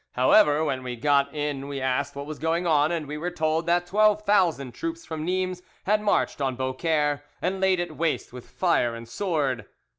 However, when we got in we asked what was going on, and we were told that twelve thousand troops from Nimes had marched on Beaucaire and laid it waste with fire and sword.